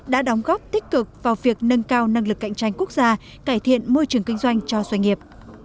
đã đóng góp tích cực vào việc nâng cao năng lực cạnh tranh quốc gia cải thiện môi trường kinh doanh cho doanh nghiệp